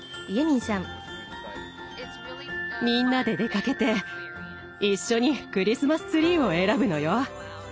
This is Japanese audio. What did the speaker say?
みんなで出かけて一緒にクリスマスツリーを選ぶのよ。